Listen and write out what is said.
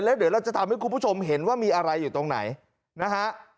แล้วเดี๋ยวเราจะทำให้คุณผู้ชมเห็นว่ามีอะไรอยู่ตรงไหนนะฮะ